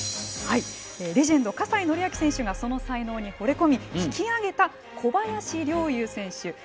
レジェンド葛西紀明選手がその才能にほれ込み、引き上げた小林陵侑選手。